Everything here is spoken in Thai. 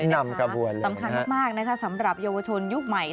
นำกระบวนสำคัญมากนะคะสำหรับเยาวชนยุคใหม่